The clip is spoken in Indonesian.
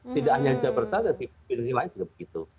tidak hanya jawa barat tapi di dunia lain juga begitu